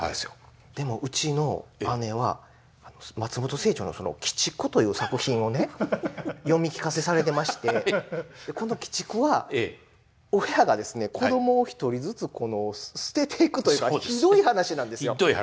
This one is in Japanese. でもうちの姉は松本清張の「鬼畜」という作品をね読み聞かせされてましてこの「鬼畜」は親がですね子供を一人ずつ捨てていくというかひどい話なんですよ。